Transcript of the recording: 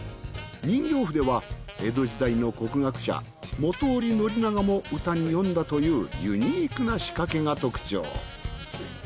人形筆は江戸時代の国学者本居宣長も歌に詠んだというユニークな仕掛けが特徴。